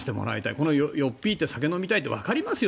このよっぴいて酒を飲みたいってわかりますよ。